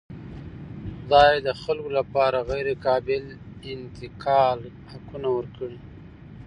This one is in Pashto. خدای د خلکو لپاره غیرقابل انتقال حقونه ورکړي.